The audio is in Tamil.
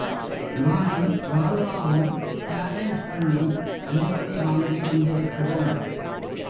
நானும், ராதாவும் சாலன்ஞ் பண்ணி அனுமதி வாங்கி வந்திருக்கிறோம்.